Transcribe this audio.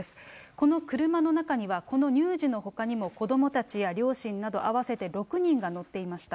この車の中にはこの乳児のほかにも子どもたちや両親など、合わせて６人が乗っていました。